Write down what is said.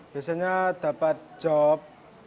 biasanya dapat job